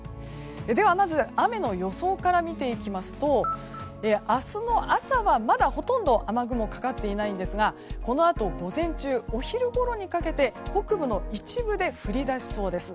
では、まず雨の予想から見ていきますと明日の朝はまだほとんど雨雲、かかっていないんですがこのあと午前中、お昼ごろにかけて北部の一部で降り出しそうです。